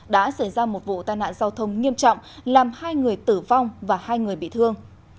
đã xảy ra một vụ tai nạn giao thông nghiêm trọng làm hai người tử vong và hai người bị thương